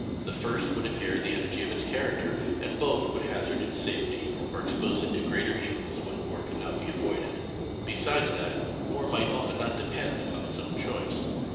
The first would impair the energy of its character, and both would hazard its safety or expose it to greater evils when war could not be avoided; besides that, war might often not depend upon its own choice.